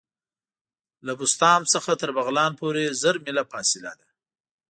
له بسطام څخه تر بغلان پوري زر میله فاصله ده.